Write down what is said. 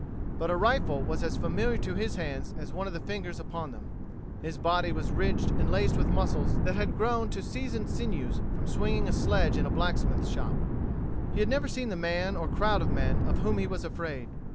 But a rifle was as familiar to his hands as one of the fingers upon them. His body was ridged and laced with muscles that had grown to seasoned sinews from swinging a sledge in a blacksmith shop. He had never seen the man or crowd of men of whom he was afraid.